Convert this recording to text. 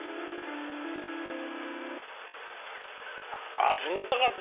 あ冷たかった。